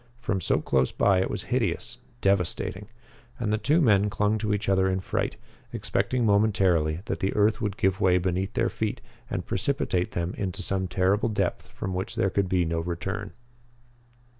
From so close by it was hideous, devastating; and the two men clung to each other in fright, expecting momentarily that the earth would give way beneath their feet and precipitate them into some terrible depth from which there could be no return.